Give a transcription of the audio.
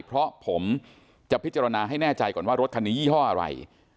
เพราะผมจะพิจารณาให้แน่ใจก่อนว่ารถคันนี้ยี่ห้ออะไร